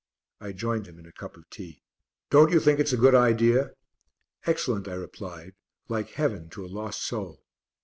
I joined him in a cup of tea. "Don't you think it's a good idea?" "Excellent," I replied, "like heaven to a lost soul."